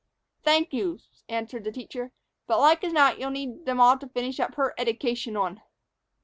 "Thank you," answered the teacher; "but like as not you'll need 'em all to finish up her eddication on.